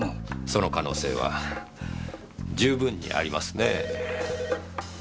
その可能性は十分にありますね。